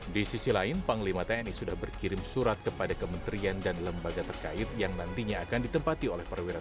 di sisi lain panglima tni sudah berkirim surat kepada kementerian dan lembaga terkait yang nantinya akan ditempati oleh perwira